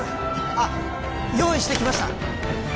あっ用意してきました